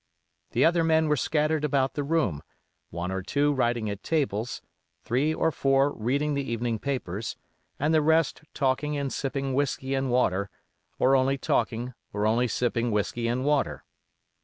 The other men were scattered about the room, one or two writing at tables, three or four reading the evening papers, and the rest talking and sipping whiskey and water, or only talking or only sipping whiskey and water.